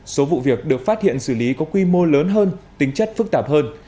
số vụ việc được phát hiện xử lý có quy mô lớn hơn tính chất phức tạp hơn